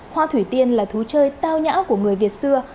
hoa thủy tiên là thú chơi tao nhã của người việt xưa